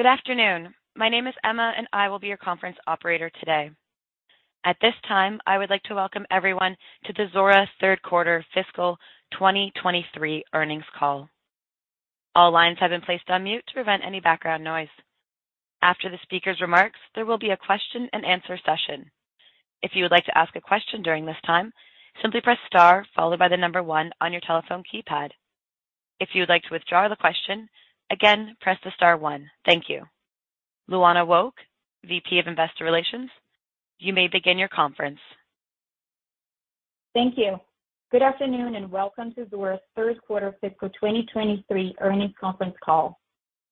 Good afternoon. My name is Emma. I will be your conference operator today. At this time, I would like to welcome everyone to the Zuora's third quarter fiscal 2023 earnings call. All lines have been placed on mute to prevent any background noise. After the speaker's remarks, there will be a question-and-answer session. If you would like to ask a question during this time, simply press star followed by one on your telephone keypad. If you would like to withdraw the question, again, press star one. Thank you. Luana Wolk, VP of Investor Relations, you may begin your conference. Thank you. Good afternoon, welcome to Zuora's third quarter fiscal 2023 earnings conference call.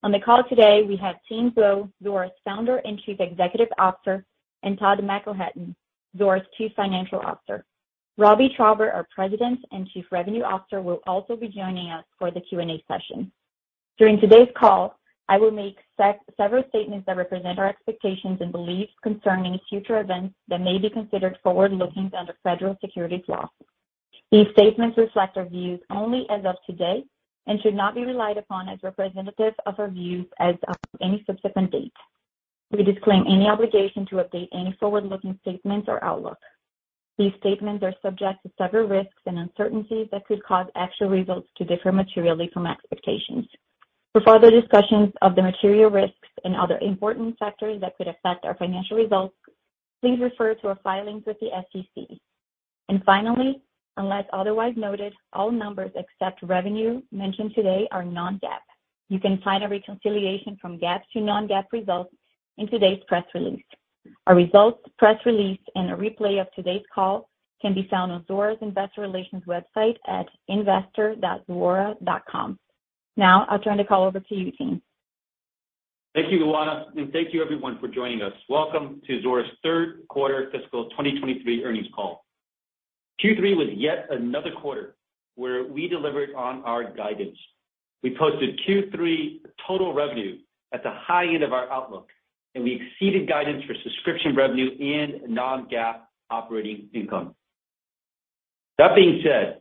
On the call today, we have Tien Tzuo, Zuora's Founder and Chief Executive Officer, and Todd McElhatton, Zuora's Chief Financial Officer. Robbie Traube, our President and Chief Revenue Officer, will also be joining us for the Q&A session. During today's call, I will make several statements that represent our expectations and beliefs concerning future events that may be considered forward-looking under federal securities laws. These statements reflect our views only as of today and should not be relied upon as representative of our views as of any subsequent date. We disclaim any obligation to update any forward-looking statements or outlook. These statements are subject to several risks and uncertainties that could cause actual results to differ materially from expectations. For further discussions of the material risks and other important factors that could affect our financial results, please refer to our filings with the SEC. Finally, unless otherwise noted, all numbers except revenue mentioned today are non-GAAP. You can find a reconciliation from GAAP to non-GAAP results in today's press release. Our results press release and a replay of today's call can be found on Zuora's investor relations website at investor.zuora.com. I'll turn the call over to you, Tien. Thank you, Luana, and thank you everyone for joining us. Welcome to Zuora's third quarter fiscal 2023 earnings call. Q3 was yet another quarter where we delivered on our guidance. We posted Q3 total revenue at the high end of our outlook, and we exceeded guidance for subscription revenue and non-GAAP operating income. That being said,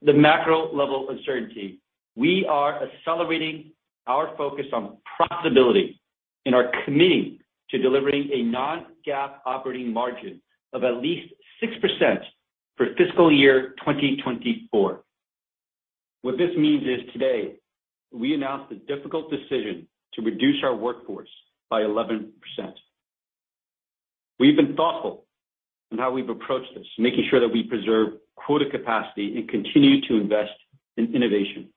the macro level of certainty, we are accelerating our focus on profitability and are committing to delivering a non-GAAP operating margin of at least 6% for fiscal year 2024. What this means is today we announced the difficult decision to reduce our workforce by 11%. We've been thoughtful in how we've approached this, making sure that we preserve quota capacity and continue to invest in innovation.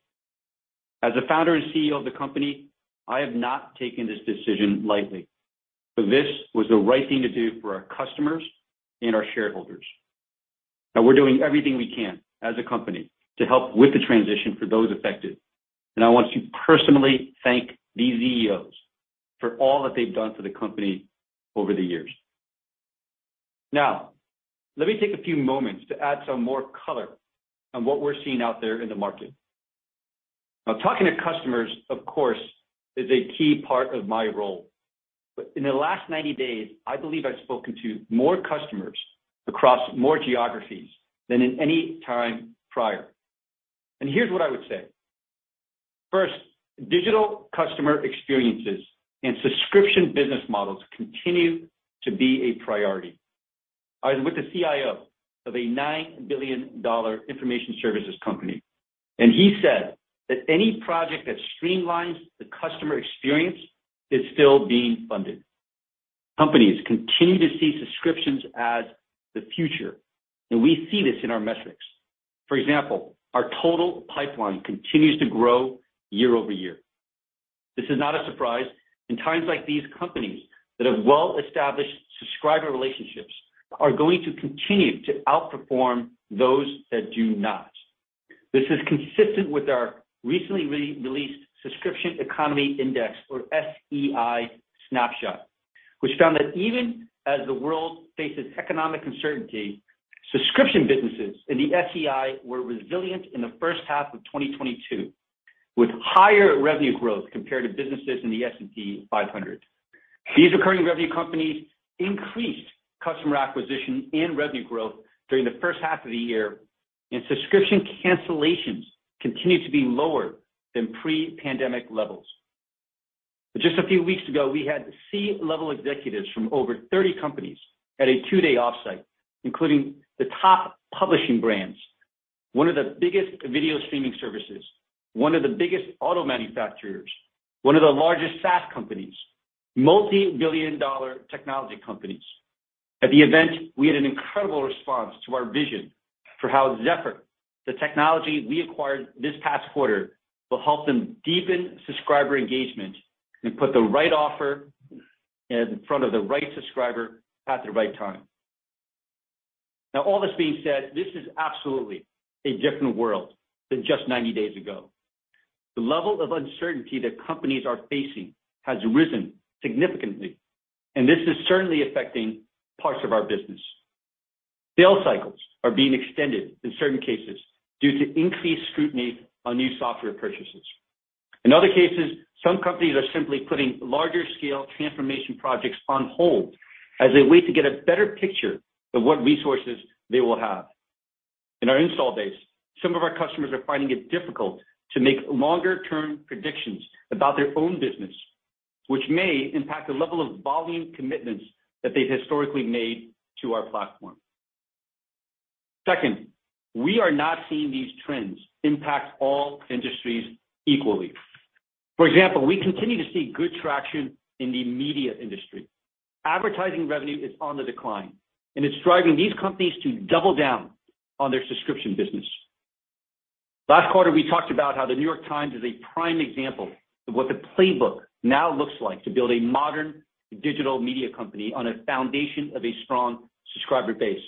As a founder and CEO of the company, I have not taken this decision lightly, but this was the right thing to do for our customers and our shareholders. We're doing everything we can as a company to help with the transition for those affected, and I want to personally thank these ZEOs for all that they've done for the company over the years. Let me take a few moments to add some more color on what we're seeing out there in the market. Talking to customers, of course, is a key part of my role. In the last 90 days, I believe I've spoken to more customers across more geographies than in any time prior. Here's what I would say. First, digital customer experiences and subscription business models continue to be a priority. I was with the CIO of a $9 billion information services company, and he said that any project that streamlines the customer experience is still being funded. Companies continue to see subscriptions as the future, and we see this in our metrics. For example, our total pipeline continues to grow year-over-year. This is not a surprise. In times like these, companies that have well-established subscriber relationships are going to continue to outperform those that do not. This is consistent with our recently re-released Subscription Economy Index, or SEI snapshot, which found that even as the world faces economic uncertainty, subscription businesses in the SEI were resilient in the first half of 2022, with higher revenue growth compared to businesses in the S&P 500. These recurring revenue companies increased customer acquisition and revenue growth during the first half of the year. Subscription cancellations continued to be lower than pre-pandemic levels. Just a few weeks ago, we had C-level executives from over 30 companies at a two-day offsite, including the top publishing brands, one of the biggest video streaming services, one of the biggest auto manufacturers, one of the largest SaaS companies, multi-billion-dollar technology companies. At the event, we had an incredible response to our vision for how Zephr, the technology we acquired this past quarter, will help them deepen subscriber engagement and put the right offer in front of the right subscriber at the right time. All this being said, this is absolutely a different world than just 90 days ago. The level of uncertainty that companies are facing has risen significantly. This is certainly affecting parts of our business. Sales cycles are being extended in certain cases due to increased scrutiny on new software purchases. In other cases, some companies are simply putting larger scale transformation projects on hold as they wait to get a better picture of what resources they will have. In our install base, some of our customers are finding it difficult to make longer-term predictions about their own business, which may impact the level of volume commitments that they've historically made to our platform. We are not seeing these trends impact all industries equally. For example, we continue to see good traction in the media industry. Advertising revenue is on the decline. It's driving these companies to double down on their subscription business. Last quarter, we talked about how The New York Times is a prime example of what the playbook now looks like to build a modern digital media company on a foundation of a strong subscriber base.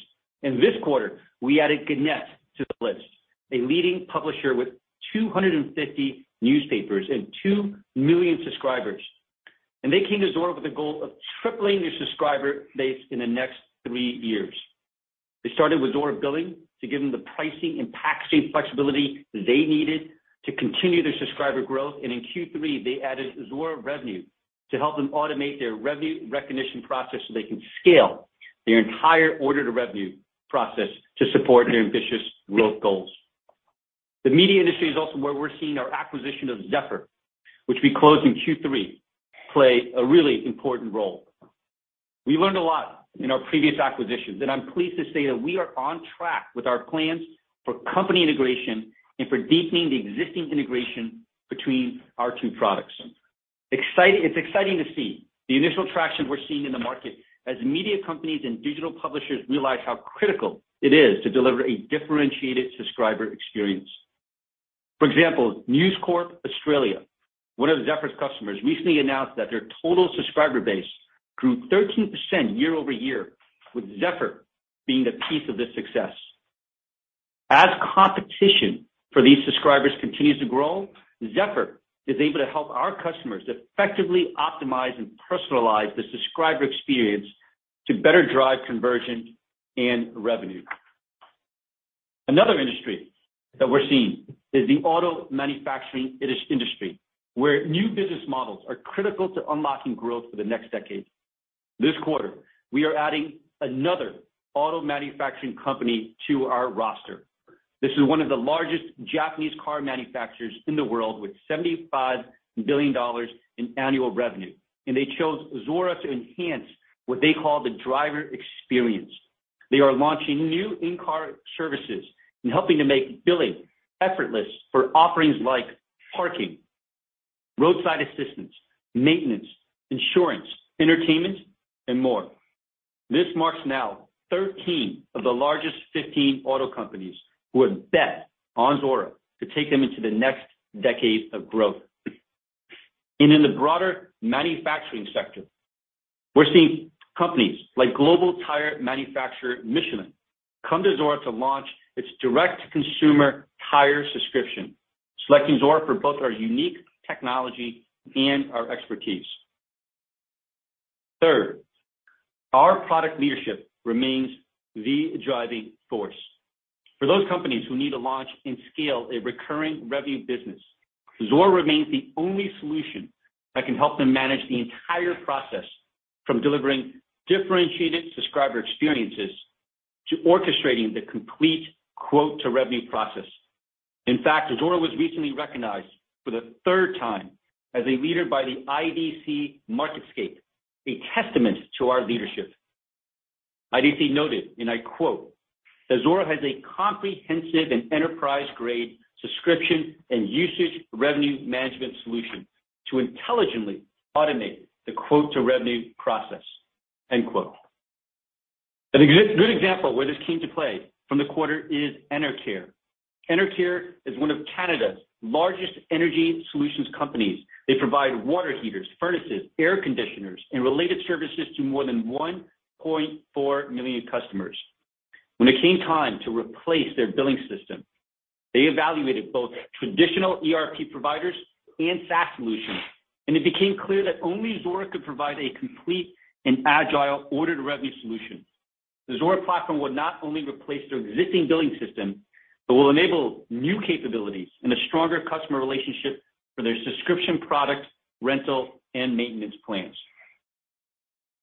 This quarter, we added Gannett to the list, a leading publisher with 250 newspapers and two million subscribers. They came to Zuora with a goal of tripling their subscriber base in the next three years. They started with Zuora Billing to give them the pricing and tax rate flexibility they needed to continue their subscriber growth. In Q3, they added Zuora Revenue to help them automate their revenue recognition process so they can scale their entire order to revenue process to support their ambitious growth goals. The media industry is also where we're seeing our acquisition of Zephr, which we closed in Q3, play a really important role. We learned a lot in our previous acquisitions, and I'm pleased to say that we are on track with our plans for company integration and for deepening the existing integration between our two products. It's exciting to see the initial traction we're seeing in the market as media companies and digital publishers realize how critical it is to deliver a differentiated subscriber experience. For example, News Corp Australia, one of Zephr's customers, recently announced that their total subscriber base grew 13% year-over-year, with Zephr being a piece of this success. As competition for these subscribers continues to grow, Zephr is able to help our customers effectively optimize and personalize the subscriber experience to better drive conversion and revenue. Another industry that we're seeing is the auto manufacturing industry, where new business models are critical to unlocking growth for the next decade. This quarter, we are adding another auto manufacturing company to our roster. This is one of the largest Japanese car manufacturers in the world with $75 billion in annual revenue, and they chose Zuora to enhance what they call the driver experience. They are launching new in-car services and helping to make billing effortless for offerings like parking, roadside assistance, maintenance, insurance, entertainment, and more. This marks now 13 of the largest 15 auto companies who have bet on Zuora to take them into the next decade of growth. In the broader manufacturing sector, we're seeing companies like global tire manufacturer Michelin come to Zuora to launch its direct-to-consumer tire subscription, selecting Zuora for both our unique technology and our expertise. Third, our product leadership remains the driving force. For those companies who need to launch and scale a recurring revenue business, Zuora remains the only solution that can help them manage the entire process, from delivering differentiated subscriber experiences to orchestrating the complete Quote-to-Revenue process. In fact, Zuora was recently recognized for the third time as a leader by the IDC MarketScape, a testament to our leadership. IDC noted, and I quote, that, "Zuora has a comprehensive and enterprise-grade subscription and usage revenue management solution to intelligently automate the Quote-to-Revenue process." End quote. A good example where this came to play from the quarter is Enercare. Enercare is one of Canada's largest energy solutions companies. They provide water heaters, furnaces, air conditioners, and related services to more than 1.4 million customers. When it came time to replace their billing system, they evaluated both traditional ERP providers and SaaS solutions, and it became clear that only Zuora could provide a complete and agile order new revenue solution. The Zuora platform will not only replace their existing billing system, but will enable new capabilities and a stronger customer relationship for their subscription product, rental, and maintenance plans.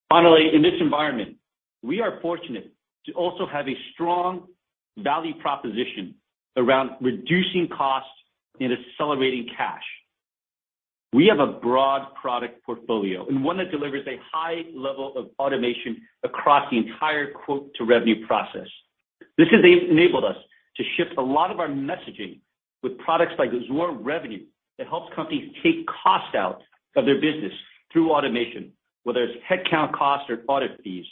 Finally, in this environment, we are fortunate to also have a strong value proposition around reducing costs and accelerating cash. We have a broad product portfolio and one that delivers a high level of automation across the entire Quote-to-Revenue process. This has enabled us to shift a lot of our messaging with products like Zuora Revenue that helps companies take cost out of their business through automation, whether it's headcount cost or audit fees,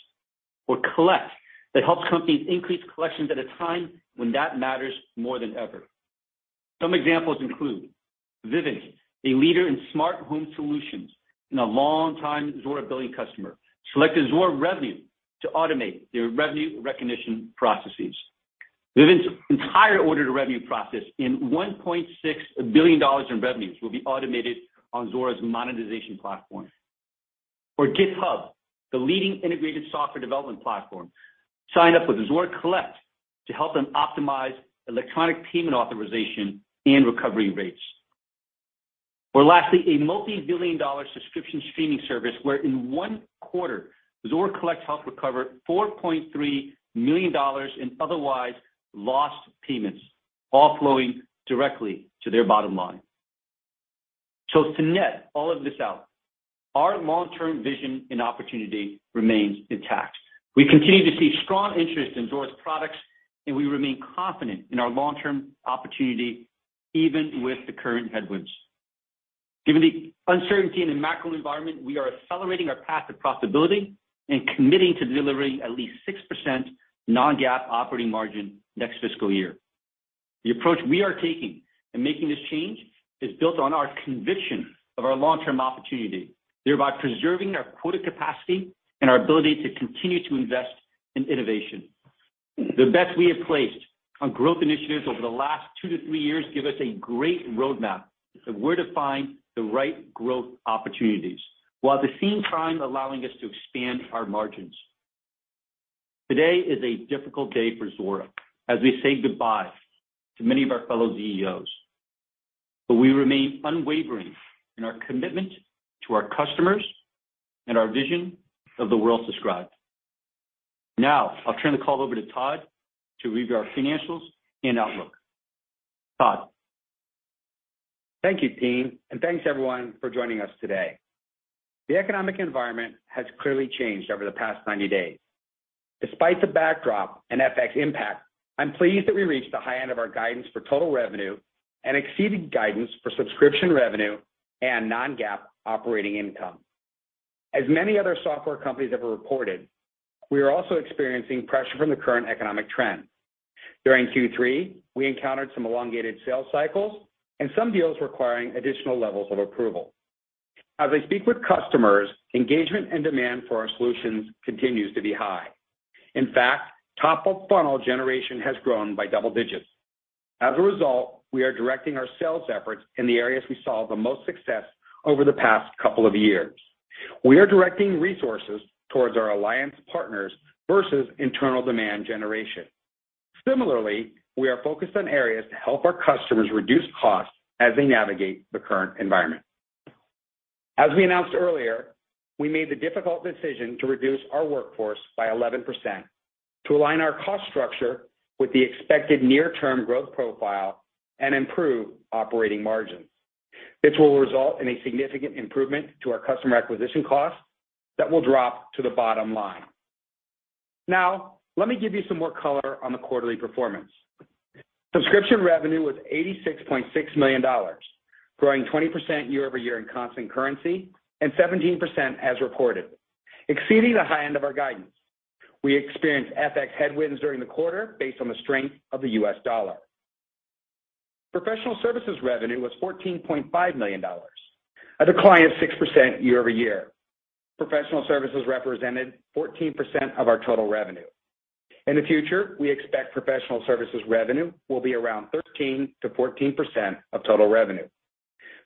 or Collect that helps companies increase collections at a time when that matters more than ever. Some examples include Vivint, a leader in smart home solutions and a long time Zuora Billing customer, selected Zuora Revenue to automate their revenue recognition processes. Vivint's entire Order to Revenue process in $1.6 billion in revenues will be automated on Zuora's monetization platform. GitHub, the leading integrated software development platform, signed up with Zuora Collect to help them optimize electronic payment authorization and recovery rates. Lastly, a multi-billion dollar subscription streaming service where in one quarter Zuora Collect helped recover $4.3 million in otherwise lost payments, all flowing directly to their bottom line. To net all of this out, our long-term vision and opportunity remains intact. We continue to see strong interest in Zuora's products, and we remain confident in our long-term opportunity, even with the current headwinds. Given the uncertainty in the macro environment, we are accelerating our path to profitability and committing to delivering at least 6% non-GAAP operating margin next fiscal year. The approach we are taking in making this change is built on our conviction of our long-term opportunity, thereby preserving our quota capacity and our ability to continue to invest in innovation. The bets we have placed on growth initiatives over the last two to three years give us a great roadmap of where to find the right growth opportunities, while at the same time allowing us to expand our margins. Today is a difficult day for Zuora as we say goodbye to many of our fellow ZEOs. We remain unwavering in our commitment to our customers and our vision of the world subscribed. I'll turn the call over to Todd to review our financials and outlook. Todd? Thank you, Tien. Thanks everyone for joining us today. The economic environment has clearly changed over the past 90 days. Despite the backdrop and FX impact, I'm pleased that we reached the high end of our guidance for total revenue and exceeded guidance for subscription revenue and non-GAAP operating income. As many other software companies have reported, we are also experiencing pressure from the current economic trend. During Q3, we encountered some elongated sales cycles and some deals requiring additional levels of approval. As I speak with customers, engagement, and demand for our solutions continues to be high. In fact, top of funnel generation has grown by double digits. As a result, we are directing our sales efforts in the areas we saw the most success over the past couple of years. We are directing resources towards our alliance partners versus internal demand generation. Similarly, we are focused on areas to help our customers reduce costs as they navigate the current environment. As we announced earlier, we made the difficult decision to reduce our workforce by 11% to align our cost structure with the expected near-term growth profile and improve operating margins. This will result in a significant improvement to our customer acquisition costs that will drop to the bottom line. Let me give you some more color on the quarterly performance. Subscription revenue was $86.6 million, growing 20% year-over-year in constant currency and 17% as reported, exceeding the high end of our guidance. We experienced FX headwinds during the quarter based on the strength of the US dollar. Professional services revenue was $14.5 million, a decline of 6% year-over-year. Professional services represented 14% of our total revenue. In the future, we expect professional services revenue will be around 13%-14% of total revenue.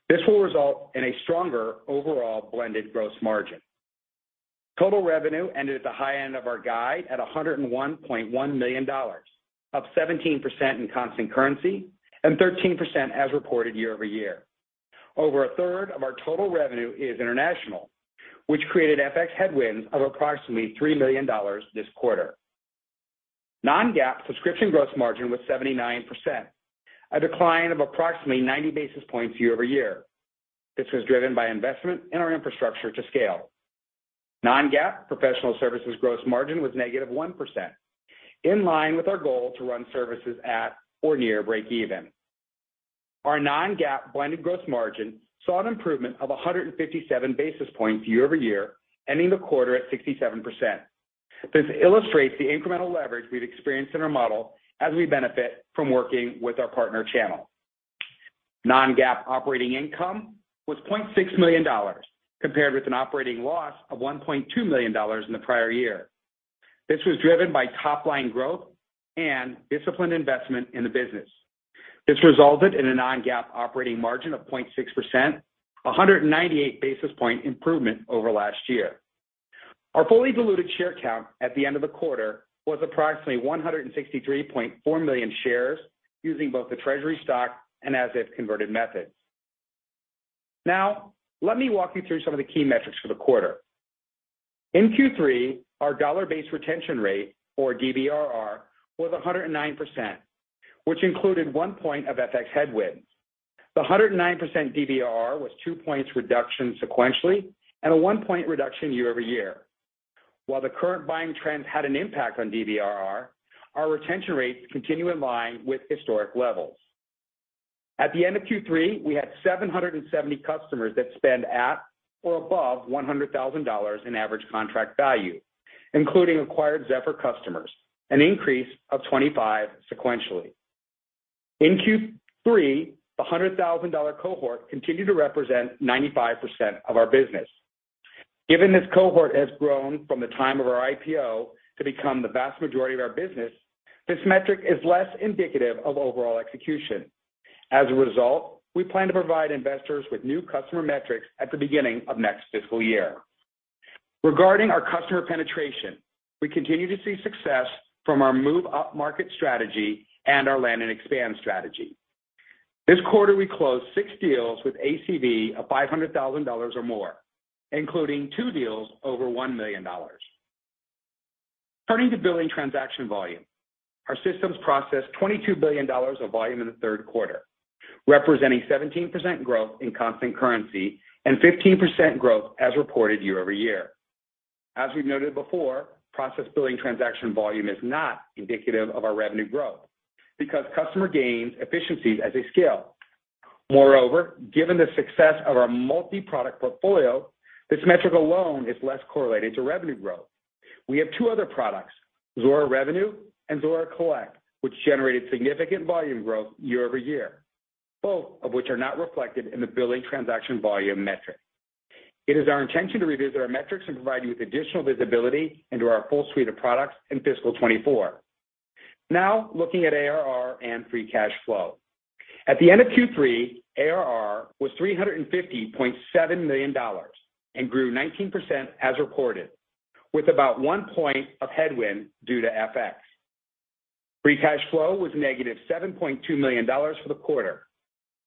This will result in a stronger overall blended gross margin. Total revenue ended at the high end of our guide at $101.1 million, up 17% in constant currency and 13% as reported year-over-year. Over a third of our total revenue is international, which created FX headwinds of approximately $3 million this quarter. Non-GAAP subscription gross margin was 79%, a decline of approximately 90 basis points year-over-year. This was driven by investment in our infrastructure to scale. Non-GAAP professional services gross margin was negative 1%, in line with our goal to run services at or near breakeven. Our non-GAAP blended gross margin saw an improvement of 157 basis points year-over-year, ending the quarter at 67%. This illustrates the incremental leverage we've experienced in our model as we benefit from working with our partner channel. non-GAAP operating income was $0.6 million, compared with an operating loss of $1.2 million in the prior year. This was driven by top-line growth and disciplined investment in the business. This resulted in a non-GAAP operating margin of 0.6%, 198 basis point improvement over last year. Our fully diluted share count at the end of the quarter was approximately $163.4 million shares using both the Treasury Stock and if-converted methods. Let me walk you through some of the key metrics for the quarter. In Q3, our Dollar-Based Net Retention Rate, or DBRR, was 109%, which included one point of FX headwinds. The 109% DBRR was two points reduction sequentially and a one point reduction year-over-year. The current buying trends had an impact on DBRR, our retention rates continue in line with historic levels. At the end of Q3, we had 770 customers that spend at or above $100,000 in average contract value, including acquired Zephr customers, an increase of 25 sequentially. In Q3, the $100,000 cohort continued to represent 95% of our business. Given this cohort has grown from the time of our IPO to become the vast majority of our business, this metric is less indicative of overall execution. We plan to provide investors with new customer metrics at the beginning of next fiscal year. Regarding our customer penetration, we continue to see success from our move up-market strategy and our land and expand strategy. This quarter, we closed six deals with ACV of $500,000 or more, including two deals over $1 million. Turning to billing transaction volume. Our systems processed $22 billion of volume in the third quarter, representing 17% growth in constant currency and 15% growth as reported year-over-year. As we've noted before, processed billing transaction volume is not indicative of our revenue growth because customer gains efficiencies as they scale. Moreover, given the success of our multi-product portfolio, this metric alone is less correlated to revenue growth. We have two other products, Zuora Revenue and Zuora Collect, which generated significant volume growth year-over-year, both of which are not reflected in the billing transaction volume metric. It is our intention to revisit our metrics and provide you with additional visibility into our full suite of products in fiscal 2024. Looking at ARR and free cash flow. At the end of Q3, ARR was $350.7 million and grew 19% as reported, with about one point of headwind due to FX. Free cash flow was negative $7.2 million for the quarter.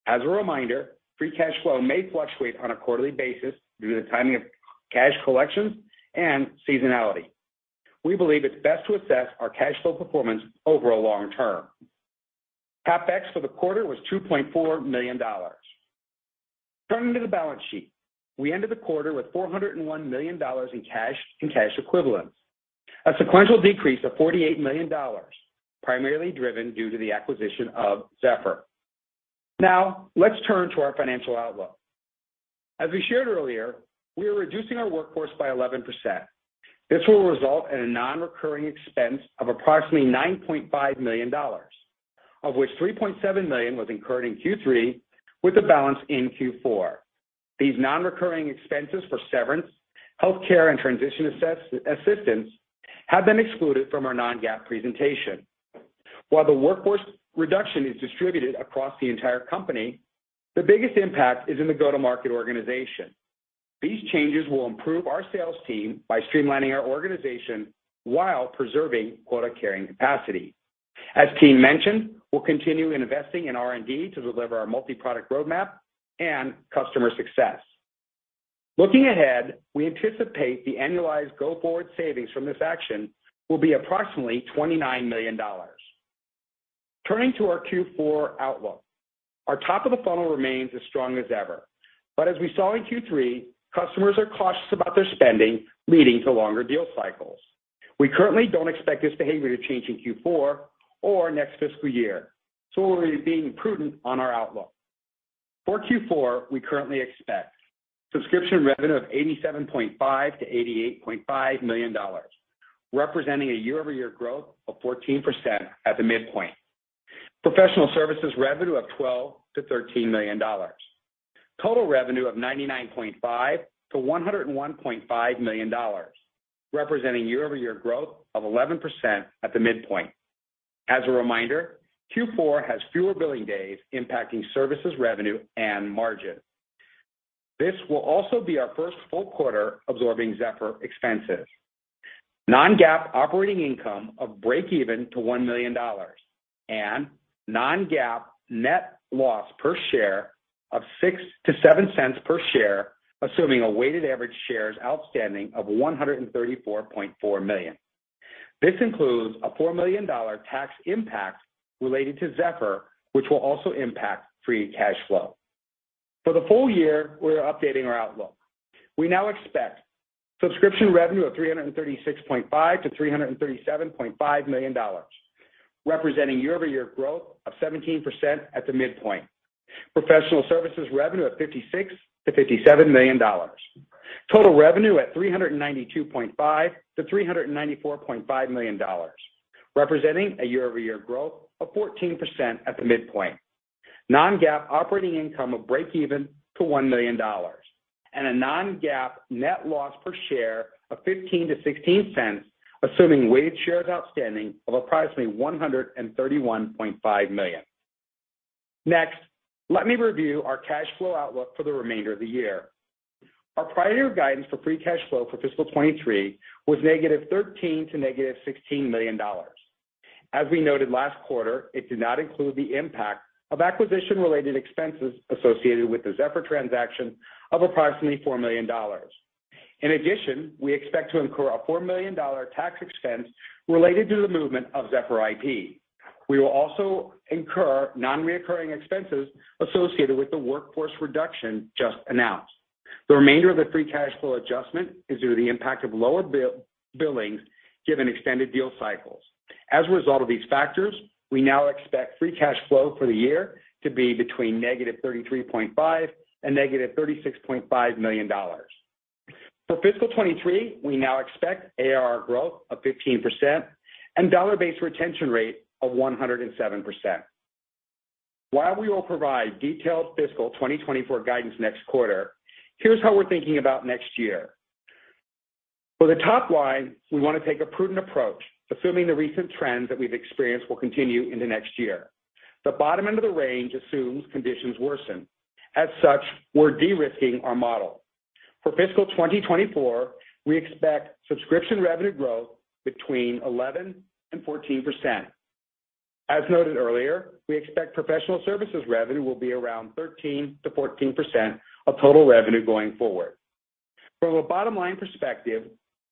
As a reminder, free cash flow may fluctuate on a quarterly basis due to the timing of cash collections and seasonality. We believe it's best to assess our cash flow performance over a long term. CapEx for the quarter was $2.4 million. Turning to the balance sheet. We ended the quarter with $401 million in cash and cash equivalents, a sequential decrease of $48 million, primarily driven due to the acquisition of Zephr. Let's turn to our financial outlook. As we shared earlier, we are reducing our workforce by 11%. This will result in a non-recurring expense of approximately $9.5 million, of which $3.7 million was incurred in Q3 with the balance in Q4. These non-recurring expenses for severance, healthcare, and transition assistance have been excluded from our non-GAAP presentation. While the workforce reduction is distributed across the entire company, the biggest impact is in the go-to-market organization. These changes will improve our sales team by streamlining our organization while preserving quota-carrying capacity. As Tien mentioned, we'll continue investing in R&D to deliver our multi-product roadmap and customer success. Looking ahead, we anticipate the annualized go-forward savings from this action will be approximately $29 million. Turning to our Q4 outlook. As we saw in Q3, our top of the funnel remains as strong as ever, but customers are cautious about their spending, leading to longer deal cycles. We currently don't expect this behavior to change in Q4 or next fiscal year, so we're being prudent on our outlook. For Q4, we currently expect subscription revenue of $87.5-88.5 million, representing a year-over-year growth of 14% at the midpoint. Professional services revenue of $12-13 million. Total revenue of $99.5-101.5 million, representing year-over-year growth of 11% at the midpoint. As a reminder, Q4 has fewer billing days impacting services revenue and margin. This will also be our first full quarter absorbing Zephr expenses. Non-GAAP operating income of breakeven to $1 million and non-GAAP net loss per share of $0.06-0.07 per share, assuming a weighted average shares outstanding of $134.4 million. This includes a $4 million tax impact related to Zephr, which will also impact free cash flow. For the full year, we're updating our outlook. We now expect subscription revenue of $336.5-337.5 million, representing year-over-year growth of 17% at the midpoint. Professional services revenue of $56-57 million. Total revenue at $392.5-394.5 million, representing a year-over-year growth of 14% at the midpoint. Non-GAAP operating income of breakeven to $1 million, and a non-GAAP net loss per share of $0.15-0.16, assuming weighted shares outstanding of approximately $131.5 million. Let me review our cash flow outlook for the remainder of the year. Our prior guidance for free cash flow for fiscal 2023 was -$13 million to -$16 million. As we noted last quarter, it did not include the impact of acquisition-related expenses associated with the Zephr transaction of approximately $4 million. We expect to incur a $4 million tax expense related to the movement of Zephr IP. We will also incur non-recurring expenses associated with the workforce reduction just announced. The remainder of the free cash flow adjustment is due to the impact of lower billings given extended deal cycles. As a result of these factors, we now expect free cash flow for the year to be between -$33.5 million and -$36.5 million. For fiscal 2023, we now expect ARR growth of 15% and Dollar-Based Retention Rate of 107%. While we will provide detailed fiscal 2024 guidance next quarter, here's how we're thinking about next year. For the top line, we wanna take a prudent approach, assuming the recent trends that we've experienced will continue into next year. The bottom end of the range assumes conditions worsen. As such, we're de-risking our model. For fiscal 2024, we expect subscription revenue growth between 11% and 14%. As noted earlier, we expect professional services revenue will be around 13%-14% of total revenue going forward. From a bottom-line perspective,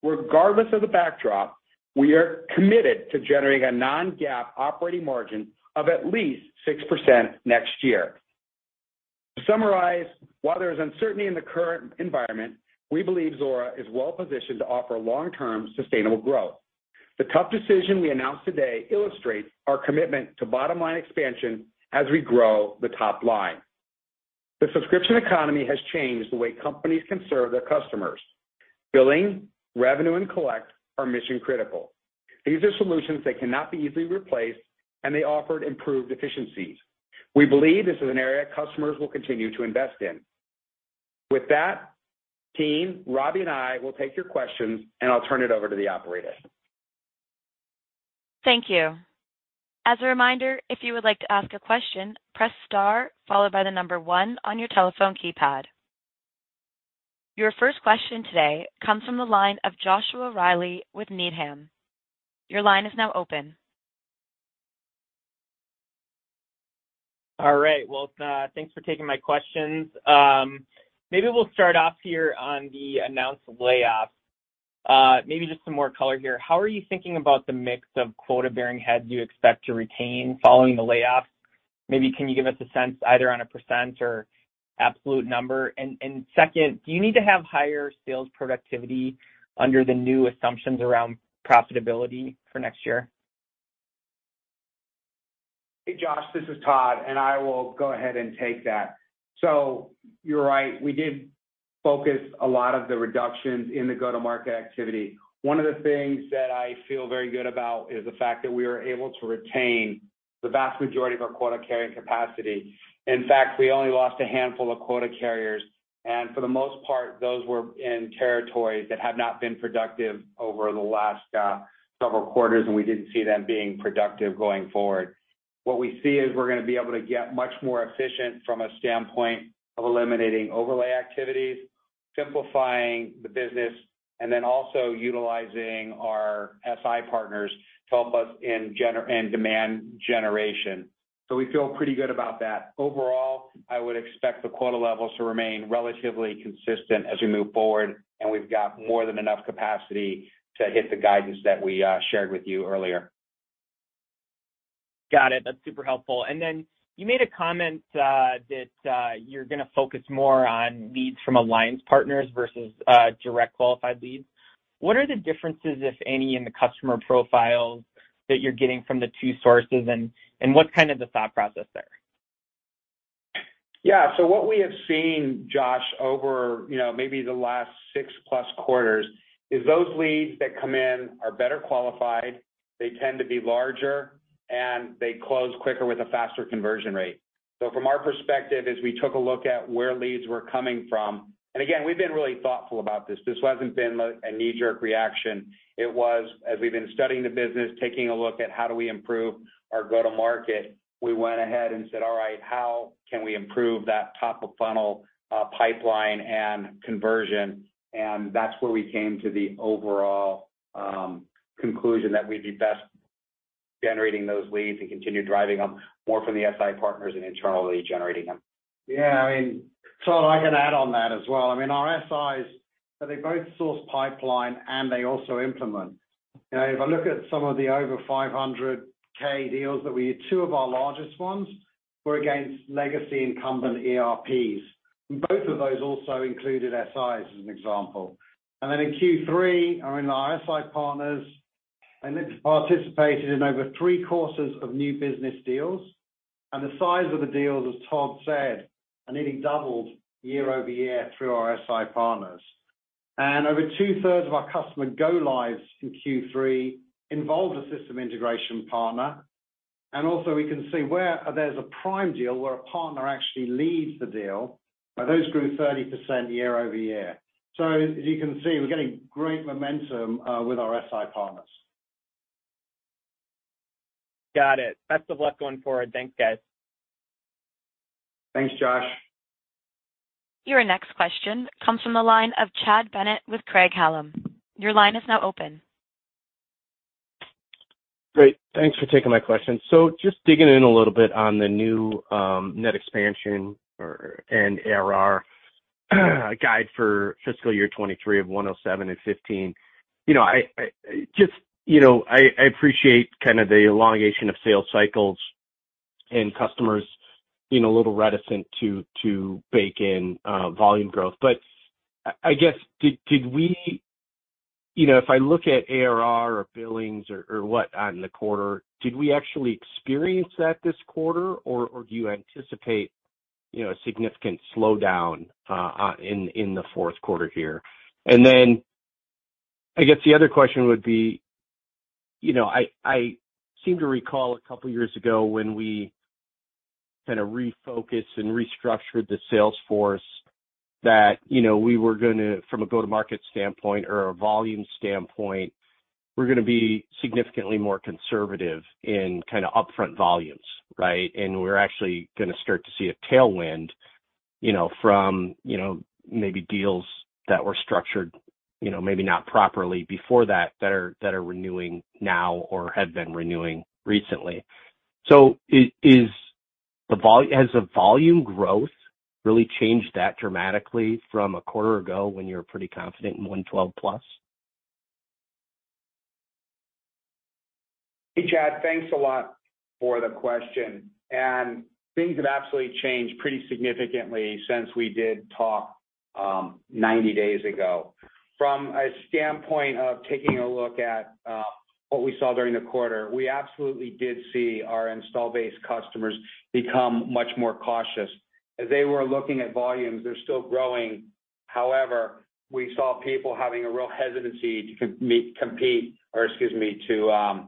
regardless of the backdrop, we are committed to generating a non-GAAP operating margin of at least 6% next year. To summarize, while there is uncertainty in the current environment, we believe Zuora is well-positioned to offer long-term sustainable growth. The tough decision we announced today illustrates our commitment to bottom-line expansion as we grow the top line. The subscription economy has changed the way companies can serve their customers. Billing, revenue, and collect are mission-critical. These are solutions that cannot be easily replaced, and they offer improved efficiencies. We believe this is an area customers will continue to invest in. With that, team, Robbie and I will take your questions, and I'll turn it over to the operator. Thank you. As a reminder, if you would like to ask a question, press star followed by the number one on your telephone keypad. Your first question today comes from the line of Joshua Reilly with Needham. Your line is now open. All right. Well, thanks for taking my questions. Maybe we'll start off here on the announced layoffs. Maybe just some more color here. How are you thinking about the mix of quota-bearing heads you expect to retain following the layoffs? Maybe can you give us a sense either on a percent or absolute number? Second, do you need to have higher sales productivity under the new assumptions around profitability for next year? Hey, Josh, this is Todd. I will go ahead and take that. You're right, we did focus a lot of the reductions in the go-to-market activity. One of the things that I feel very good about is the fact that we were able to retain the vast majority of our quota-carrying capacity. In fact, we only lost a handful of quota carriers, and for the most part, those were in territories that have not been productive over the last several quarters, and we didn't see them being productive going forward. What we see is we're gonna be able to get much more efficient from a standpoint of eliminating overlay activities, simplifying the business, and then also utilizing our SI partners to help us in demand generation. We feel pretty good about that. Overall, I would expect the quota levels to remain relatively consistent as we move forward, and we've got more than enough capacity to hit the guidance that we shared with you earlier. Got it. That's super helpful. You made a comment that you're gonna focus more on leads from alliance partners versus direct qualified leads. What are the differences, if any, in the customer profiles that you're getting from the two sources, and what's kind of the thought process there? What we have seen, Josh, over, you know, maybe the last 6+ quarters is those leads that come in are better qualified, they tend to be larger, and they close quicker with a faster conversion rate. From our perspective, as we took a look at where leads were coming from, again, we've been really thoughtful about this. This hasn't been a knee-jerk reaction. It was as we've been studying the business, taking a look at how do we improve our go-to-market, we went ahead and said, "All right, how can we improve that top-of-funnel pipeline and conversion?" That's where we came to the overall conclusion that we'd be best generating those leads and continue driving them more from the SI partners than internally generating them. Yeah, I mean, Todd, I can add on that as well. I mean, our SI's, they both source pipeline, and they also implement. You know, if I look at some of the over 500,000 deals, two of our largest ones were against legacy incumbent ERPs, and both of those also included SIs, as an example. In Q3, I mean, our SI partners, I think, participated in over three-quarters of new business deals. The size of the deals, as Todd said, nearly doubled year-over-year through our SI partners. Over 2/3 of our customer go-lives in Q3 involved a system integration partner. We can see where there's a prime deal where a partner actually leads the deal, those grew 30% year-over-year. As you can see, we're getting great momentum with our SI partners. Got it. Best of luck going forward. Thanks, guys. Thanks, Josh. Your next question comes from the line of Chad Bennett with Craig-Hallum. Your line is now open. Great. Thanks for taking my question. Just digging in a little bit on the new net expansion or ARR guide for fiscal year 23 of 107% and 15%. You know, I just, you know, I appreciate kind of the elongation of sales cycles and customers being a little reticent to bake in volume growth. I guess, did we... You know, if I look at ARR or billings or what on the quarter, did we actually experience that this quarter, or do you anticipate, you know, a significant slowdown in the fourth quarter here? I guess the other question would be, you know, I seem to recall a couple years ago when we kind of refocused and restructured the sales force that, you know, we were gonna, from a go-to-market standpoint or a volume standpoint, we're gonna be significantly more conservative in kind of upfront volumes, right? We're actually gonna start to see a tailwind, you know, from, you know, maybe deals that were structured, you know, maybe not properly before that are renewing now or have been renewing recently. Has the volume growth really changed that dramatically from a quarter ago when you were pretty confident in +112%? Hey, Chad, thanks a lot for the question. Things have absolutely changed pretty significantly since we did talk 90 days ago. From a standpoint of taking a look at what we saw during the quarter, we absolutely did see our install-based customers become much more cautious. As they were looking at volumes, they're still growing. However, we saw people having a real hesitancy to compete or, excuse me, to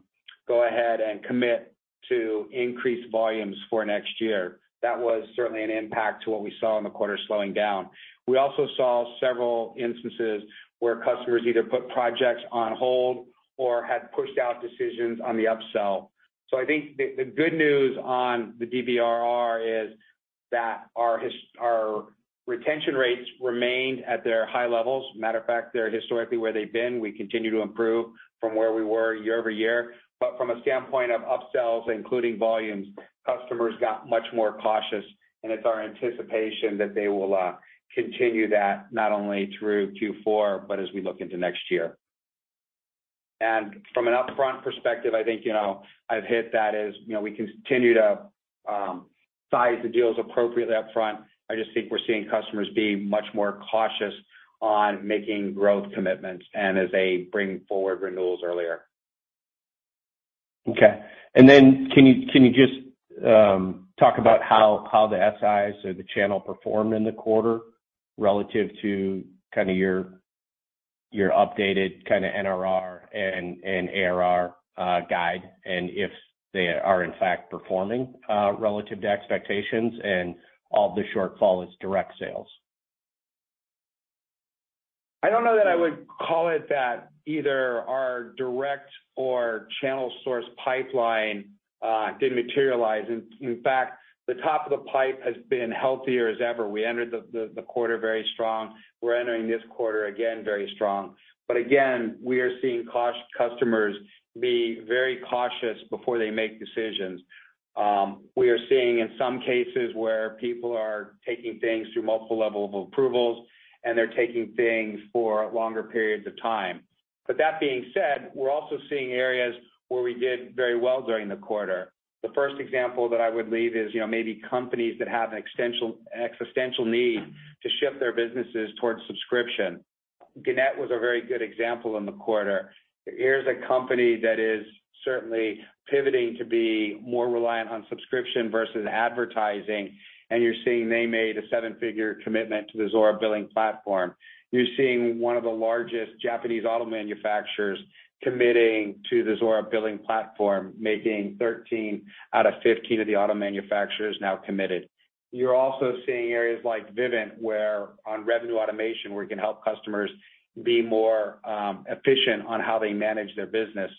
go ahead and commit to increased volumes for next year. That was certainly an impact to what we saw in the quarter slowing down. We also saw several instances where customers either put projects on hold or had pushed out decisions on the upsell. I think the good news on the DBRR is that our retention rates remained at their high levels. Matter of fact, they're historically where they've been. We continue to improve from where we were year-over-year. From a standpoint of upsells, including volumes, customers got much more cautious, and it's our anticipation that they will continue that not only through Q4, but as we look into next year. From an upfront perspective, I think, you know, I've hit that as, you know, we continue to size the deals appropriately upfront. I just think we're seeing customers being much more cautious on making growth commitments and as they bring forward renewals earlier. Okay. Can you just talk about how the SIs or the channel performed in the quarter relative to kind of your updated kind of NRR and ARR guide, and if they are in fact performing relative to expectations and all the shortfall is direct sales? I don't know that I would call it that either our direct or channel source pipeline didn't materialize. In fact, the top of the pipe has been healthier as ever. We entered the quarter very strong. We're entering this quarter again very strong. Again, we are seeing customers be very cautious before they make decisions. We are seeing in some cases where people are taking things through multiple level of approvals, and they're taking things for longer periods of time. That being said, we're also seeing areas where we did very well during the quarter. The first example that I would leave is, you know, maybe companies that have an existential need to shift their businesses towards subscription. Gannett was a very good example in the quarter. Here's a company that is certainly pivoting to be more reliant on subscription versus advertising, and you're seeing they made a seven-figure commitment to the Zuora Billing platform. You're seeing one of the largest Japanese auto manufacturers committing to the Zuora Billing platform, making 13 out of 15 of the auto manufacturers now committed. You're also seeing areas like Vivint, where on revenue automation, we can help customers be more efficient on how they manage their business.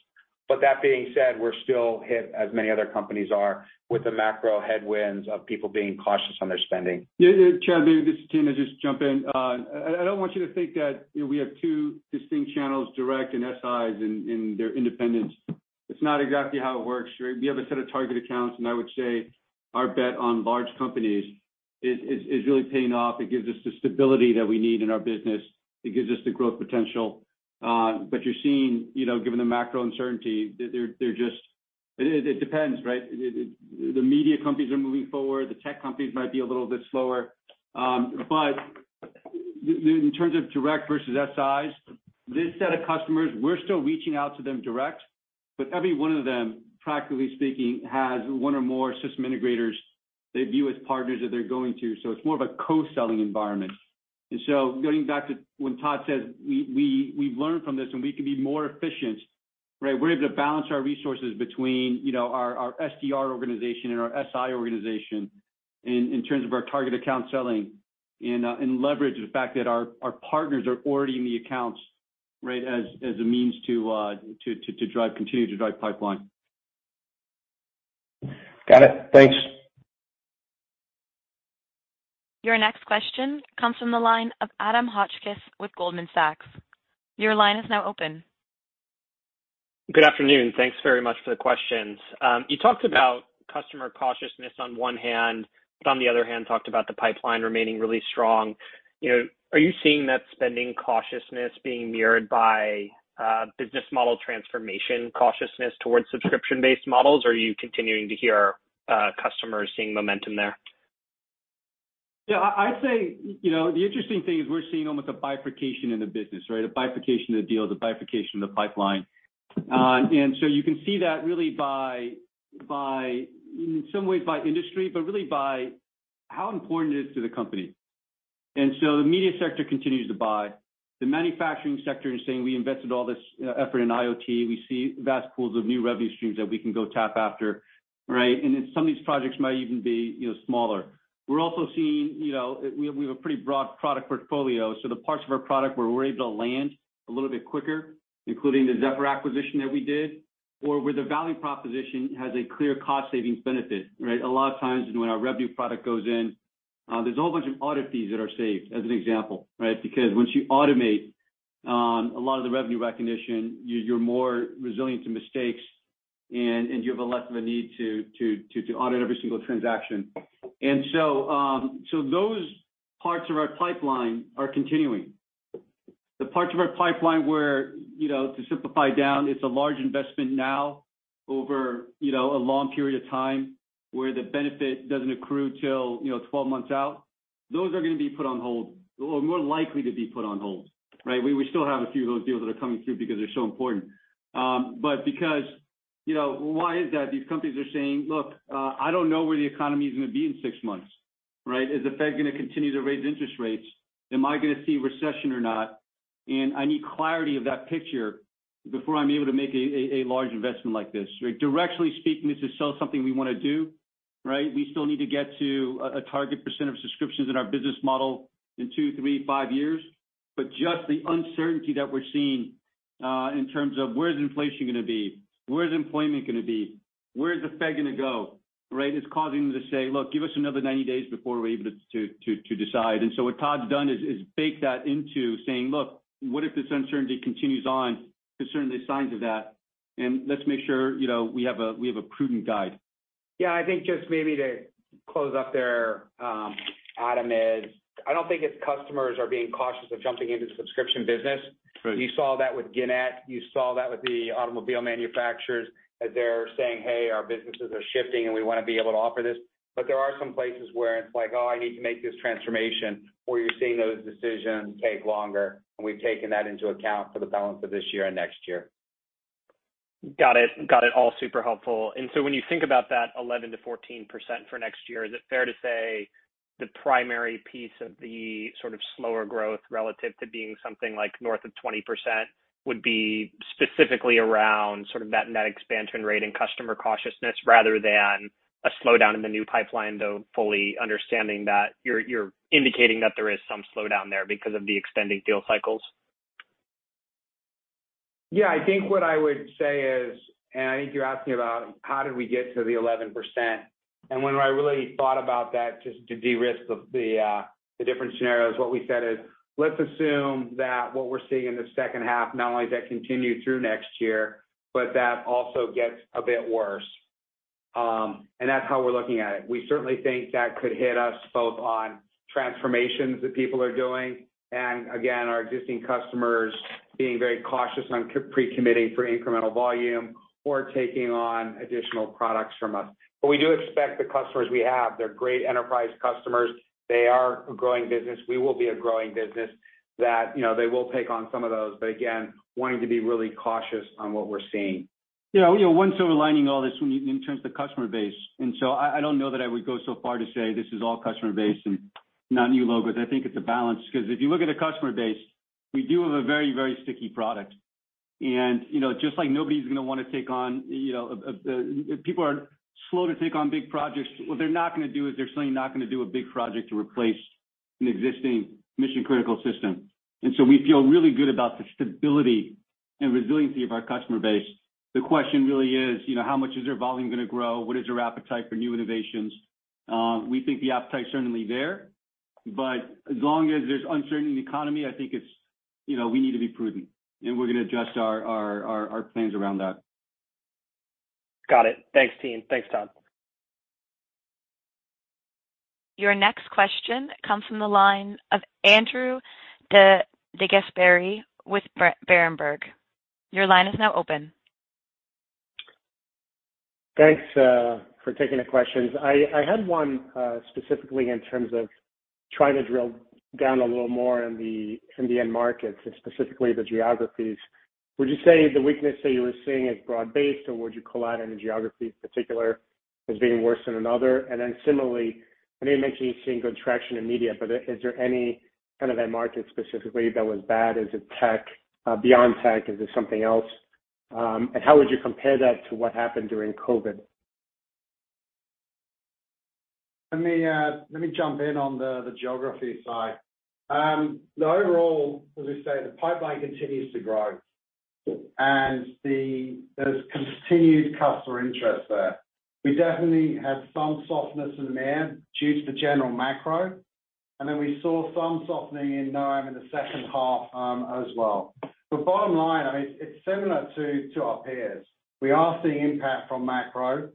That being said, we're still hit, as many other companies are, with the macro headwinds of people being cautious on their spending. Yeah, yeah, Chad, maybe this team will just jump in. I don't want you to think that, you know, we have two distinct channels, direct and SIs, and they're independent. It's not exactly how it works. We have a set of target accounts, and I would say our bet on large companies is really paying off. It gives us the stability that we need in our business. It gives us the growth potential. You're seeing, you know, given the macro uncertainty, it depends, right? The media companies are moving forward. The tech companies might be a little bit slower. In terms of direct versus SIs, this set of customers, we're still reaching out to them direct, but every one of them, practically speaking, has one or more system integrators they view as partners that they're going to. It's more of a co-selling environment. Going back to when Todd said we've learned from this and we can be more efficient, right? We're able to balance our resources between, you know, our SDR organization and our SI organization in terms of our target account selling and leverage the fact that our partners are already in the accounts, right? As a means to drive, continue to drive pipeline. Got it. Thanks. Your next question comes from the line of Adam Hotchkiss with Goldman Sachs. Your line is now open. Good afternoon. Thanks very much for the questions. You talked about customer cautiousness on one hand, but on the other hand, talked about the pipeline remaining really strong. You know, are you seeing that spending cautiousness being mirrored by, business model transformation cautiousness towards subscription-based models, or are you continuing to hear, customers seeing momentum there? Yeah. I'd say, you know, the interesting thing is we're seeing almost a bifurcation in the business, right? A bifurcation of the deal, the bifurcation of the pipeline. You can see that really by in some ways by industry, but really by how important it is to the company. The media sector continues to buy. The manufacturing sector is saying, "We invested all this effort in IoT. We see vast pools of new revenue streams that we can go tap after." Right? Some of these projects might even be, you know, smaller. We're also seeing, you know, we have a pretty broad product portfolio, so the parts of our product where we're able to land a little bit quicker, including the Zephr acquisition that we did, or where the value proposition has a clear cost savings benefit, right? A lot of times when our revenue product goes in, there's a whole bunch of audit fees that are saved, as an example, right? Because once you automate, a lot of the revenue recognition, you're more resilient to mistakes and you have a less of a need to audit every single transaction. So those parts of our pipeline are continuing. The parts of our pipeline where, you know, to simplify down, it's a large investment now over, you know, a long period of time where the benefit doesn't accrue till, you know, 12 months out, those are gonna be put on hold or more likely to be put on hold, right? We still have a few of those deals that are coming through because they're so important. Because, you know, why is that? These companies are saying, "Look, I don't know where the economy is gonna be in six months," right? Is the Fed gonna continue to raise interest rates? Am I gonna see recession or not? I need clarity of that picture before I'm able to make a large investment like this, right? Directionally speaking, this is still something we wanna do, right? We still need to get to a target % of subscriptions in our business model in two, three, five years. Just the uncertainty that we're seeing, in terms of where is inflation gonna be? Where is employment gonna be? Where is the Fed gonna go, right? It's causing them to say, "Look, give us another 90 days before we're able to decide." What Todd's done is bake that into saying, "Look, what if this uncertainty continues on concerning the signs of that, and let's make sure, you know, we have a prudent guide. Yeah. I think just maybe to close up there, Adam, is I don't think it's customers are being cautious of jumping into the subscription business. Right. You saw that with Gannett. You saw that with the automobile manufacturers, as they're saying, "Hey, our businesses are shifting, and we wanna be able to offer this." There are some places where it's like, "Oh, I need to make this transformation," where you're seeing those decisions take longer, and we've taken that into account for the balance of this year and next year. Got it. Got it all. Super helpful. When you think about that 11%-14% for next year, is it fair to say the primary piece of the sort of slower growth relative to being something like north of 20% would be specifically around sort of that net expansion rate and customer cautiousness rather than a slowdown in the new pipeline, though fully understanding that you're indicating that there is some slowdown there because of the extending deal cycles? Yeah. I think what I would say is, I think you're asking about how did we get to the 11%. When I really thought about that, just to de-risk of the different scenarios, what we said is, let's assume that what we're seeing in the second half, not only does that continue through next year, but that also gets a bit worse. That's how we're looking at it. We certainly think that could hit us both on transformations that people are doing, and again, our existing customers being very cautious on pre-committing for incremental volume or taking on additional products from us. We do expect the customers we have, they're great enterprise customers. They are a growing business. We will be a growing business that, you know, they will take on some of those. Again, wanting to be really cautious on what we're seeing. Yeah, you know, one silver lining all this when in terms of customer base, I don't know that I would go so far to say this is all customer base and not new logos. I think it's a balance 'cause if you look at the customer base, we do have a very, very sticky product. You know, just like, nobody's gonna wanna take on, you know, people are slow to take on big projects. What they're not gonna do is they're certainly not gonna do a big project to replace an existing mission-critical system. We feel really good about the stability and resiliency of our customer base. The question really is, you know, how much is their volume gonna grow? What is their appetite for new innovations? We think the appetite's certainly there, but as long as there's uncertainty in the economy, I think it's, you know, we need to be prudent, and we're gonna adjust our plans around that. Got it. Thanks, team. Thanks, Todd. Your next question comes from the line of Andrew DeGasperi with Berenberg. Your line is now open. Thanks for taking the questions. I had one specifically in terms of trying to drill down a little more in the Indian markets and specifically the geographies. Would you say the weakness that you were seeing is broad-based, or would you call out any geography in particular as being worse than another? Similarly, I know you mentioned you're seeing good traction in media, but is there any kind of that market specifically that was bad? Is it tech? Beyond tech, is it something else? How would you compare that to what happened during COVID? Let me jump in on the geography side. The overall, as we say, the pipeline continues to grow, there's continued customer interest there. We definitely had some softness in Americas due to the general macro, and then we saw some softening in EMEA in the second half as well. Bottom line, I mean, it's similar to our peers. We are seeing impact from macro,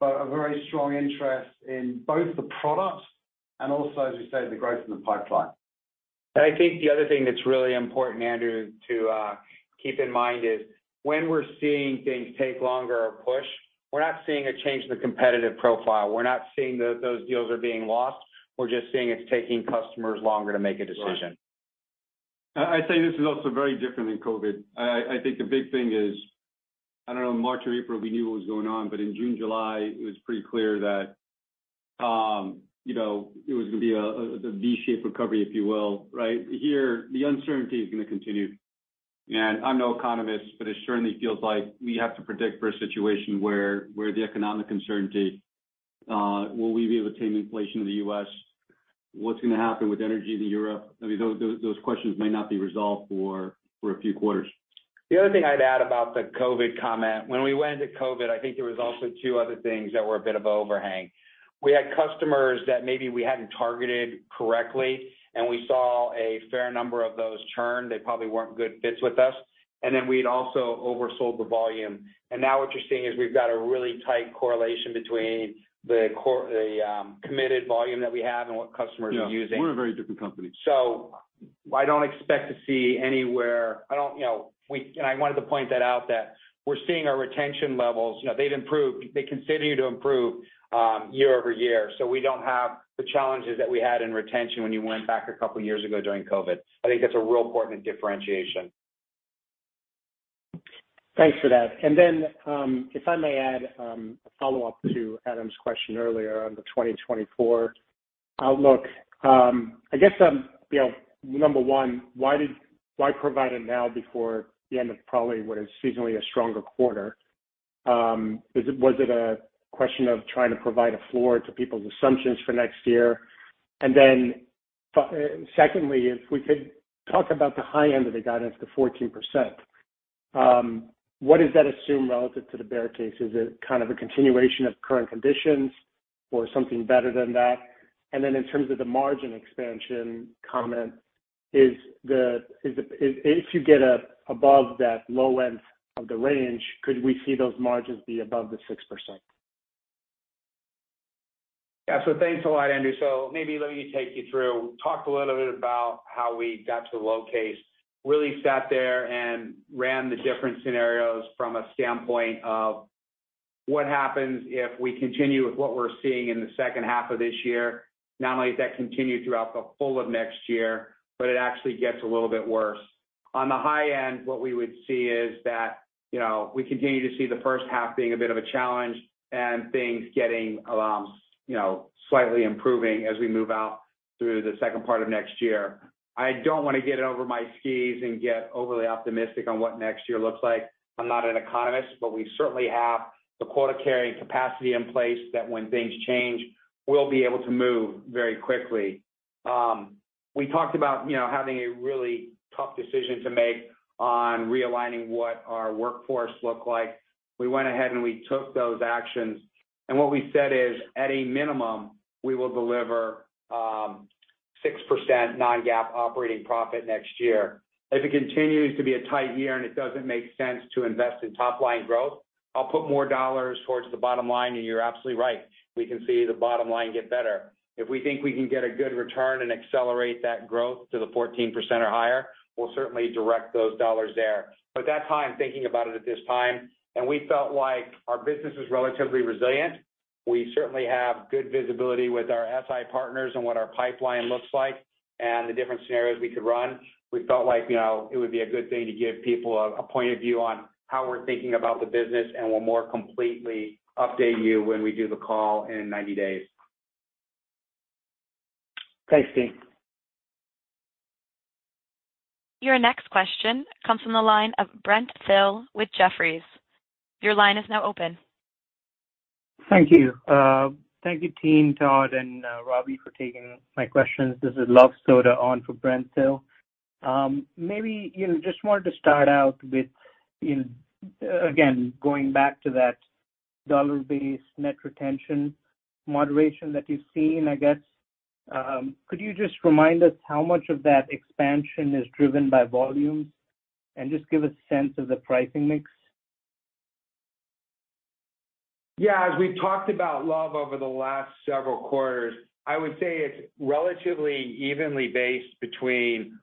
but a very strong interest in both the products and also, as we said, the growth in the pipeline. I think the other thing that's really important, Andrew, to keep in mind is when we're seeing things take longer or push, we're not seeing a change in the competitive profile. We're not seeing those deals are being lost. We're just seeing it's taking customers longer to make a decision. I say this is also very different than COVID. I think the big thing is, I don't know, March or April we knew what was going on, but in June, July it was pretty clear that, you know, it was gonna be a V-shaped recovery, if you will, right? Here the uncertainty is gonna continue. I'm no economist, but it certainly feels like we have to predict for a situation where the economic uncertainty, will we be able to tame inflation in the U.S.? What's gonna happen with energy in Europe? I mean, those questions may not be resolved for a few quarters. The other thing I'd add about the COVID comment, when we went into COVID, I think there was also two other things that were a bit of a overhang. We had customers that maybe we hadn't targeted correctly, and we saw a fair number of those churn. They probably weren't good fits with us. Then we'd also oversold the volume. Now what you're seeing is we've got a really tight correlation between the the committed volume that we have and what customers are using. Yeah. We're a very different company. I don't expect to see anywhere. I don't, you know, I wanted to point that out that we're seeing our retention levels. You know, they've improved. They continue to improve, year-over-year, so we don't have the challenges that we had in retention when you went back a couple years ago during COVID. I think that's a real important differentiation. Thanks for that. If I may add, a follow-up to Adam's question earlier on the 2024 outlook. I guess, you know, number one, why provide it now before the end of probably what is seasonally a stronger quarter? Was it a question of trying to provide a floor to people's assumptions for next year? Secondly, if we could talk about the high end of the guidance, the 14%, what does that assume relative to the bear case? Is it kind of a continuation of current conditions or something better than that? In terms of the margin expansion comment, is the if you get above that low end of the range, could we see those margins be above the 6%? Yeah. Thanks a lot, Andrew. Maybe let me take you through, talk a little bit about how we got to the low case. Really sat there and ran the different scenarios from a standpoint of what happens if we continue with what we're seeing in the second half of this year, not only does that continue throughout the full of next year, but it actually gets a little bit worse. On the high end, what we would see is that, you know, we continue to see the first half being a bit of a challenge and things getting, you know, slightly improving as we move out through the second part of next year. I don't wanna get over my skis and get overly optimistic on what next year looks like. I'm not an economist. We certainly have the quota-carrying capacity in place that when things change, we'll be able to move very quickly. We talked about, you know, having a really tough decision to make on realigning what our workforce look like. We went ahead. We took those actions. What we said is, at a minimum, we will deliver 6% non-GAAP operating profit next year. If it continues to be a tight year, and it doesn't make sense to invest in top-line growth, I'll put more dollars towards the bottom line. You're absolutely right. We can see the bottom line get better. If we think we can get a good return and accelerate that growth to the 14% or higher, we'll certainly direct those dollars there. That's how I'm thinking about it at this time, and we felt like our business was relatively resilient. We certainly have good visibility with our SI partners and what our pipeline looks like and the different scenarios we could run. We felt like, you know, it would be a good thing to give people a point of view on how we're thinking about the business, and we'll more completely update you when we do the call in 90 days. Thanks, team. Your next question comes from the line of Brent Thill with Jefferies. Your line is now open. Thank you. Thank you, team Todd and Robbie, for taking my questions. This is Luv Sodha on for Brent Thill. Maybe, you know, just wanted to start out with, you know, again, going back to that Dollar-Based Net Retention moderation that you've seen, I guess. Could you just remind us how much of that expansion is driven by volume? Just give a sense of the pricing mix. Yeah. As we've talked about Luv over the last several quarters, I would say it's relatively evenly based between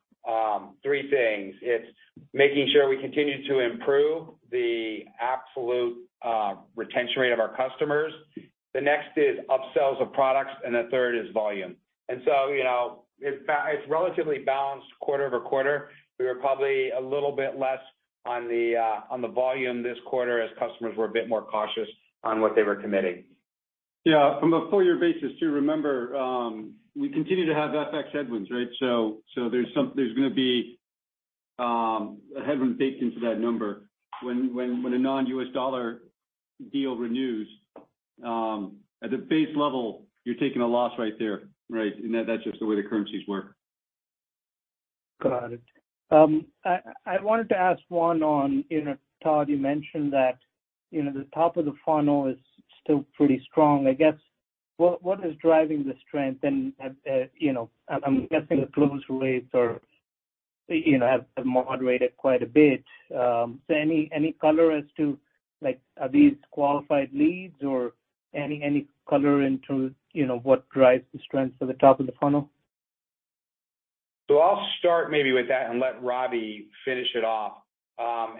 three things. It's making sure we continue to improve the absolute retention rate of our customers. The next is upsells of products, and the third is volume. So, you know, it's relatively balanced quarter-over-quarter. We were probably a little bit less on the volume this quarter as customers were a bit more cautious on what they were committing. From a full year basis too, remember, we continue to have FX headwinds, right? So there's gonna be a headroom baked into that number. When a non-U.S. dollar deal renews, at the base level, you're taking a loss right there, right? That's just the way the currencies work. Got it. I wanted to ask one on, you know, Todd, you mentioned that, you know, the top of the funnel is still pretty strong. I guess, what is driving the strength? You know, I'm guessing the close rates are, you know, have moderated quite a bit. Any color as to like are these qualified leads or any color into, you know, what drives the strengths of the top of the funnel? I'll start maybe with that and let Robbie finish it off.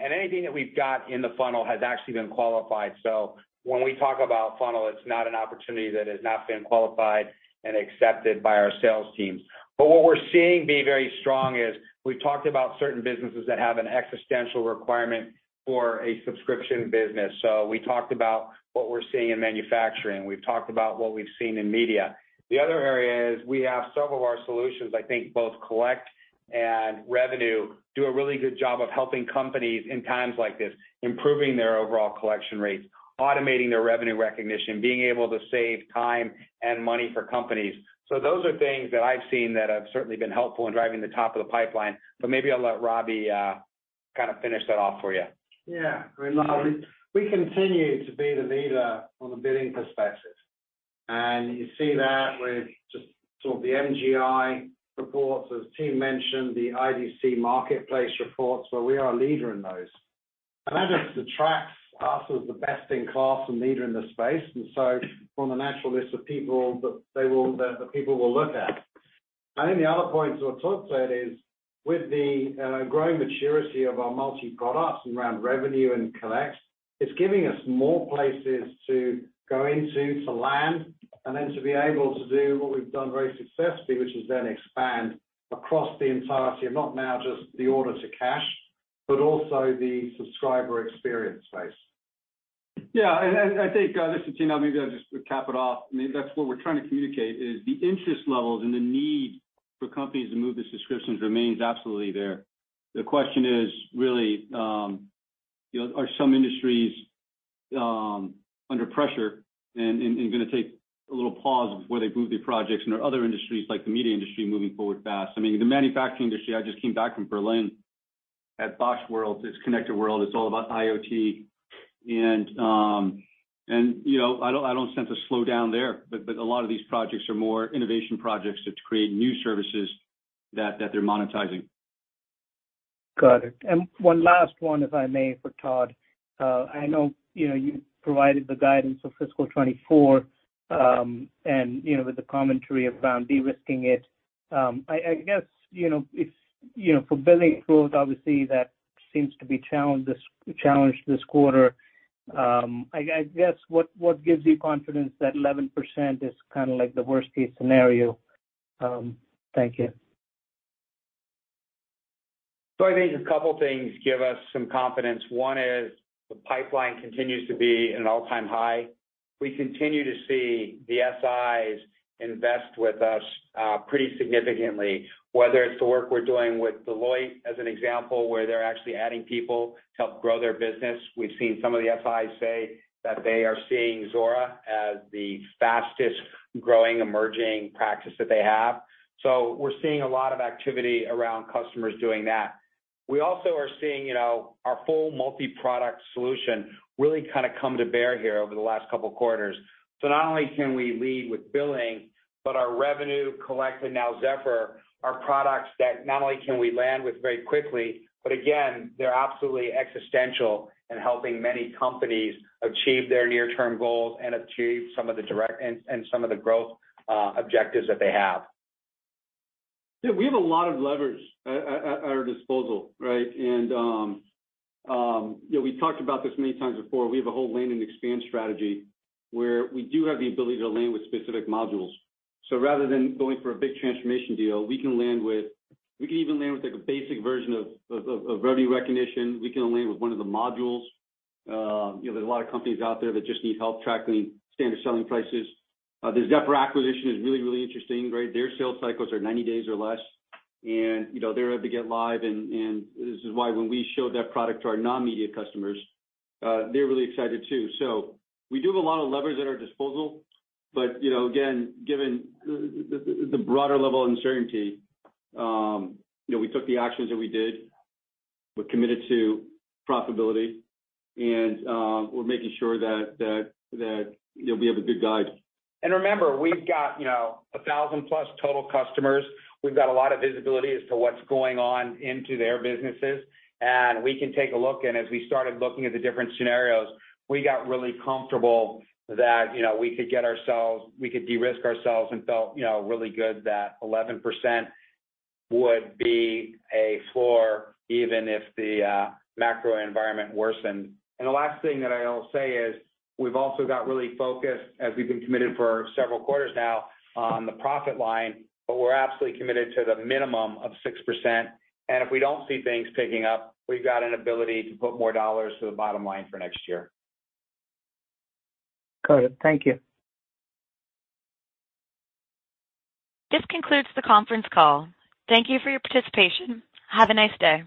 Anything that we've got in the funnel has actually been qualified. When we talk about funnel, it's not an opportunity that has not been qualified and accepted by our sales team. What we're seeing be very strong is we've talked about certain businesses that have an existential requirement for a subscription business. We talked about what we're seeing in manufacturing. We've talked about what we've seen in media. The other area is we have several of our solutions, I think both collect and revenue, do a really good job of helping companies in times like this, improving their overall collection rates, automating their revenue recognition, being able to save time and money for companies. Those are things that I've seen that have certainly been helpful in driving the top of the pipeline, but maybe I'll let Robbie kind of finish that off for you. Yeah. Great, Todd. We continue to be the leader from a billing perspective. You see that with just sort of the MGI reports, as Tien mentioned, the IDC MarketScape reports, where we are a leader in those. That just attracts us as the best in class and leader in the space, from a natural list of people that people will look at. I think the other point to what Todd said is, with the growing maturity of our multi-products around revenue and collect, it's giving us more places to go into to land, to be able to do what we've done very successfully, which is expand across the entirety of not now just the Order to Cash, but also the subscriber experience space. I think, listen, It maybe I'll just cap it off. I mean, that's what we're trying to communicate, is the interest levels and the need for companies to move to subscriptions remains absolutely there. The question is really, you know, are some industries under pressure and going to take a little pause before they move their projects than other industries like the media industry moving forward fast? I mean, the manufacturing industry, I just came back from Berlin at Bosch world, it's Bosch ConnectedWorld, it's all about IoT. You know, I don't sense a slowdown there, but a lot of these projects are more innovation projects to create new services that they're monetizing. Got it. One last one, if I may, for Todd. I know, you know, you provided the guidance for fiscal 2024, you know, with the commentary around de-risking it. I guess, you know, if, you know, for billing growth, obviously, that seems to be challenged this quarter. I guess, what gives you confidence that 11% is kind of like the worst-case scenario? Thank you. I think a couple things give us some confidence. One is, the pipeline continues to be at an all-time high. We continue to see the SIs invest with us, pretty significantly, whether it's the work we're doing with Deloitte, as an example, where they're actually adding people to help grow their business. We've seen some of the SIs say that they are seeing Zuora as the fastest growing emerging practice that they have. We're seeing a lot of activity around customers doing that. We also are seeing, you know, our full multi-product solution really kinda come to bear here over the last couple quarters. Not only can we lead with billing, but our revenue collected now, Zephr, are products that not only can we land with very quickly, but again, they're absolutely existential in helping many companies achieve their near-term goals and achieve some of the direct and some of the growth objectives that they have. Yeah, we have a lot of levers at our disposal, right? You know, we talked about this many times before. We have a whole land and expand strategy where we do have the ability to land with specific modules. Rather than going for a big transformation deal, we can land with, we can even land with, like, a basic version of revenue recognition. We can land with one of the modules. You know, there's a lot of companies out there that just need help tracking standard selling prices. The Zephr acquisition is really, really interesting, right? Their sales cycles are 90 days or less. You know, they're able to get live and this is why when we showed that product to our non-media customers, they're really excited to so. We do have a lot of levers at our disposal. You know, again, given the broader level of uncertainty, you know, we took the actions that we did. We're committed to profitability, and we're making sure that, you know, we have a good guide. Remember, we've got, you know, 1,000+ total customers. We've got a lot of visibility as to what's going on into their businesses. We can take a look, and as we started looking at the different scenarios, we got really comfortable that, you know, we could de-risk ourselves and felt, you know, really good that 11% would be a floor even if the macro environment worsened. The last thing that I'll say is, we've also got really focused, as we've been committed for several quarters now, on the profit line, but we're absolutely committed to the minimum of 6%. If we don't see things picking up, we've got an ability to put more dollars to the bottom line for next year. Got it. Thank you. This concludes the conference call. Thank you for your participation. Have a nice day.